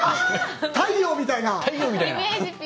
太陽みたいな？